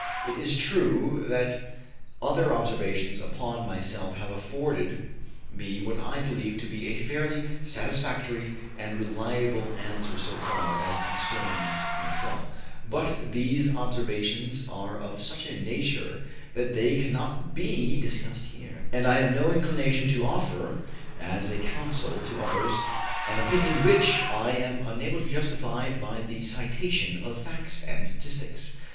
It is true that other observations upon myself have afforded me what I believe to be a fairly satisfactory and reliable answer so far as concerns myself; but these observations are of such a nature that they cannot be discussed here, and I have no inclination to offer as a counsel to others an opinion which I am unable to justify by the citation of facts and statistics.